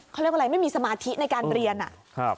เขาเลุ่่ววาอะไรไม่มีสมาธิในการเรียนหะ